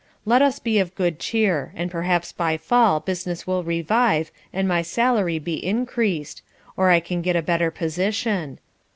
Let us be of good cheer, and perhaps by fall business will revive and my salary be increased, or I can get a better position.